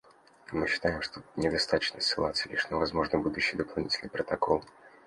Мы считаем, что тут недостаточно ссылаться лишь на возможный будущий дополнительный протокол.